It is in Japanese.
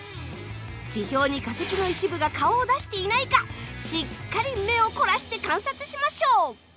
地表に化石の一部が顔を出していないかしっかり目を凝らして観察しましょう。